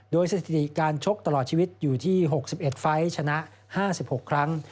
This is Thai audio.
โดยสถิติการชกตลอดชีวิตอยู่ที่๖๑ไฟล์ชนะ๕๖ครั้ง